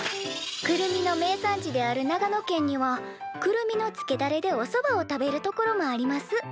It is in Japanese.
「くるみの名産地である長野県にはくるみのつけだれでおそばを食べる所もあります」